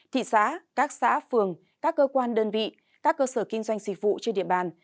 thị xã các xã phường các cơ quan đơn vị các cơ sở kinh doanh dịch vụ trên địa bàn